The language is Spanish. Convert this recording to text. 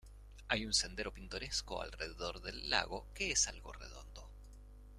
Hay un sendero pintoresco alrededor del lago que es algo redondo.